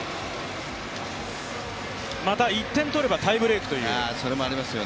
また、１点取ればタイブレークという。